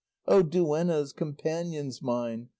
Oh duennas, companions mine!